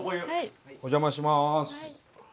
お邪魔します。